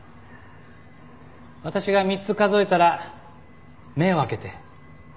私が３つ数えたら目を開けて。